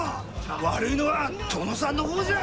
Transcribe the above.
悪いのは殿さんの方じゃ！